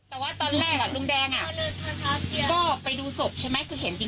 แต่ว่าตอนแรกลุงแดงอ่ะก็ไปดูศพใช่ไหม